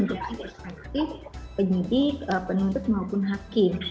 untuk perspektif penyidik penuntut maupun hakim